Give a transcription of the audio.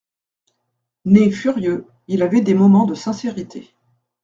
Né furieux, il avait des moments de sincérité.